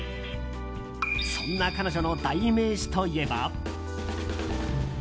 そんな彼女の代名詞といえば。